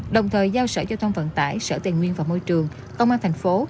đồng thời giao sở giao thông vận tải sở tài nguyên và môi trường công an thành phố